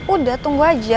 udah tunggu aja